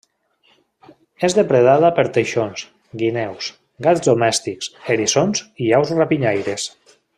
És depredada per teixons, guineus, gats domèstics, eriçons i aus rapinyaires.